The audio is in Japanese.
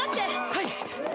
はい！